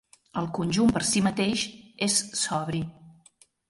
El conjunt per si mateix és sobri.